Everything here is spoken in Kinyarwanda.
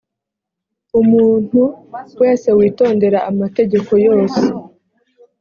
umuntu wese witondera amategeko yose